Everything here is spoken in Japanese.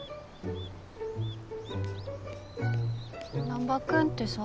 難破君ってさ。